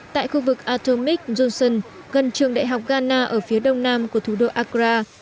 tại khu vực atomic johnson gần trường đại học ghana ở phía đông nam của thủ đô agra